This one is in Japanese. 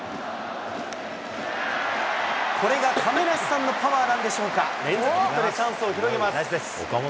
これが亀梨さんのパワーなんでしょうか、連続ヒットでチャンスを広げます。